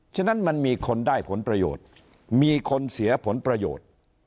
ฉะนั้นมันมีคนได้ผลประโยชน์มีคนเสียผลประโยชน์